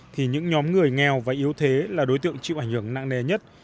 thì những nhóm người nghèo và yếu thế là đối tượng chịu ảnh hưởng nặng nề nhất